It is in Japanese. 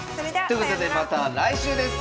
ということでまた来週です。